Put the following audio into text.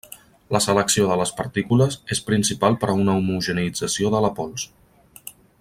La selecció de les partícules és principal per a una homogeneïtzació de la pols.